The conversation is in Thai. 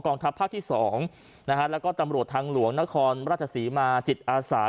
ทัพภาคที่๒แล้วก็ตำรวจทางหลวงนครราชศรีมาจิตอาสา